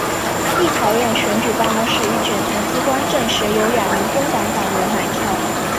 立陶宛选举办公室与检察机关证实有两名工党党员买票。